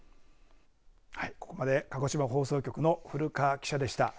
はい、ここまで鹿児島放送局の古河記者でした。